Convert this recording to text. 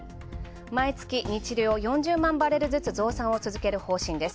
毎月日量４０万バレルずつ続ける方針です。